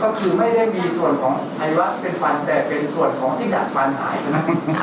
ก็คือไม่ได้มีส่วนของไอวะเป็นฟันแต่เป็นส่วนของที่ดัดฟันหายใช่ไหม